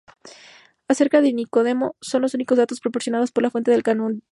Acerca de Nicodemo, son los únicos datos proporcionados por la fuente del canon bíblico.